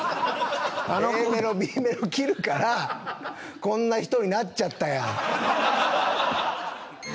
Ａメロ、Ｂメロ切るからこんな人になっちゃったやん。